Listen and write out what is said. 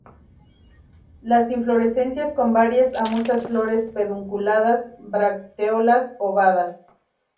Las inflorescencias con varias a muchas flores, pedunculadas; bracteolas ovadas.